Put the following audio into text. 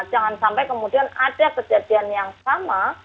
jangan sampai kemudian ada kejadian yang sama